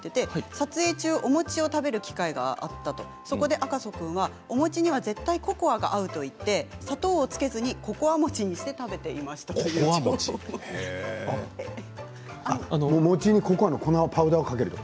撮影中お餅を食べる機会があった赤楚君はお餅には絶対ココアが合うといって砂糖を付けずにココア餅にして食べていましたということです。